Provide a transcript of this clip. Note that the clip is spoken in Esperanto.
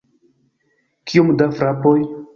Kiom da frapoj?